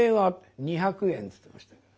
「２００円」つってました。